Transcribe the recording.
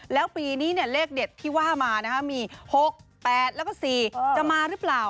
แล้วปีนี้เลขเด็ดที่ว่ามามี๖๘แล้วก็๔จะมาหรือเปล่า